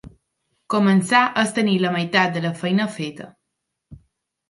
Començar és tenir la meitat de la feina feta.